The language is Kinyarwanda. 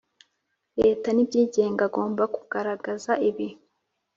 Leta n ibyigenga agomba kugaragaza ibi